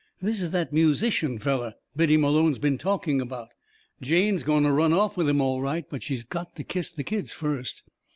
This is that musician feller Biddy Malone's been talking about. Jane's going to run off with him all right, but she's got to kiss the kids first.